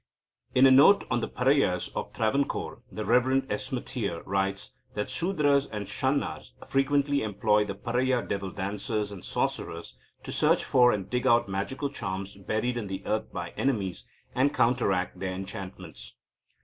In a note on the Paraiyas of Travancore, the Rev. S. Mateer writes that Sudras and Shanars frequently employ the Paraiya devil dancers and sorcerers to search for and dig out magical charms buried in the earth by enemies, and counteract their enchantments.